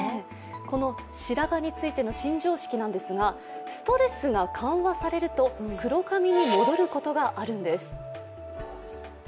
この白髪についての新常識なんですが、ストレスが緩和されると黒髪に戻ることがあるんです。